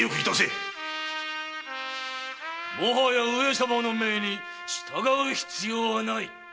もはや上様の命に従う必要はない！